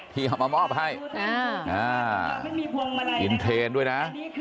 เพียงเอามามอบให้อ่าอีนเทรนซ์ด้วยนะ